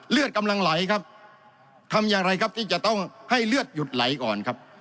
เลือดกำลังไหลครับทำอย่างไรครับที่จะต้องให้เลือดหยุดไหลก่อนครับ